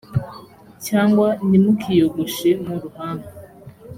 cyangwa ntimukiyogoshe mu ruhanga